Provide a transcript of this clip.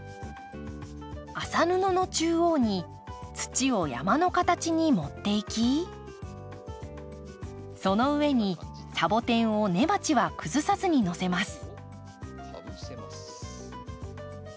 麻布の中央に土を山の形に盛っていきその上にサボテンを根鉢は崩さずにのせます。